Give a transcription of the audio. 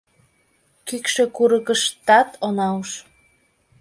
Кӱкшӧ курыкыштат она уж